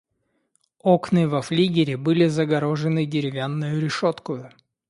Окны во флигеле были загорожены деревянною решеткою.